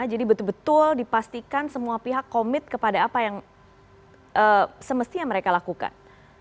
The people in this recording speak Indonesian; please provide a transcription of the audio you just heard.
jadi betul betul dipastikan semua pihak komit kepada apa yang semestinya mereka lakukan